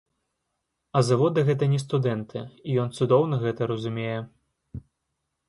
А заводы гэта не студэнты, і ён цудоўна гэта разумее.